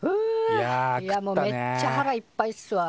いやもうめっちゃ腹いっぱいっすわ。